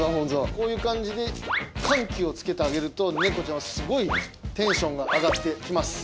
こういう感じで緩急をつけてあげると猫ちゃんはすごいテンションが上がって来ます。